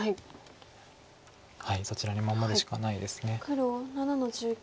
そちらに守るしかないです。